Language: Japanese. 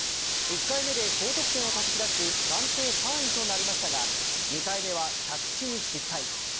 １回目で高得点をたたき出し暫定３位となりましたが２回目は着地に失敗。